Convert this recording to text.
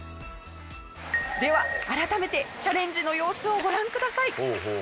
では改めてチャレンジの様子をご覧ください。